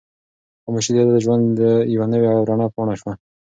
خاموشي د ده د ژوند یوه نوې او رڼه پاڼه شوه.